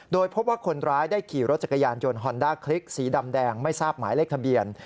โดยพบว่าคนร้ายได้ขี่รถจักรยานยนต์ฮอนด้าคลิกสีดำแดงไม่ทราบหมายเลขทะเบียน